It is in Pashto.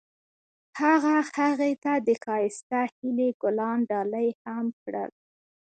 هغه هغې ته د ښایسته هیلې ګلان ډالۍ هم کړل.